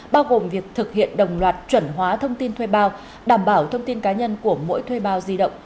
bao gồm việc thực hiện đồng loạt chuẩn hóa thông tin thuê bao đảm bảo thông tin cá nhân của mỗi thuê bao di động